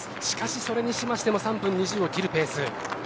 しかし、それにしましても３分２０を切るペース。